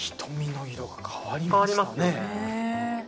瞳の色が変わりましたね。